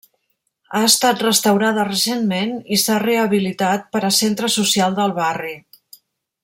Ha estat restaurada recentment i s'ha rehabilitat per a Centre social del barri.